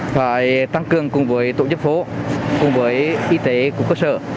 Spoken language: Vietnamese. phải tăng cường cùng với tổ chức phố cùng với y tế của cơ sở